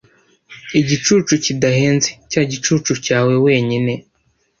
Igicucu kidahenze cya gicucu cyawe wenyine?